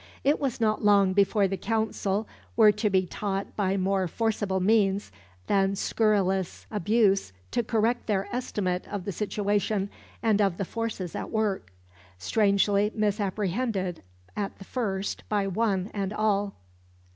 It was not long before the Council were to be taught by more forcible means than scurrilous abuse to correct their estimate of the situation and of the forces at work, strangely misapprehended at the first by one and all.